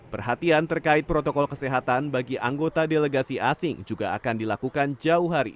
perhatian terkait protokol kesehatan bagi anggota delegasi asing juga akan dilakukan jauh hari